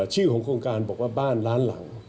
ชื่อของโครงการบอกว่าบ้านล้านหลัง